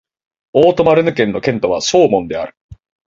オート＝マルヌ県の県都はショーモンである